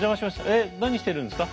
えっ何してるんですか？